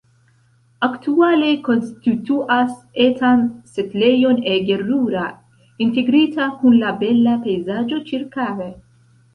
Aktuale konstituas etan setlejon ege rura, integrita kun la bela pejzaĝo ĉirkaŭe.